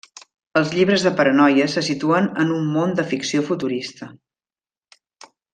Els llibres de paranoia se situen en un món de ficció futurista.